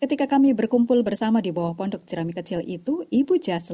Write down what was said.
ketika kami berkumpul bersama di bawah pondok jerami kecil itu ibu jaseline berbagi kisahnya dengan kami